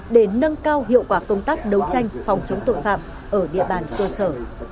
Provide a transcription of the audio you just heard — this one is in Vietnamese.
để nâng cao hiệu quả công tác đấu tranh phòng chống tội phạm ở địa bàn cơ sở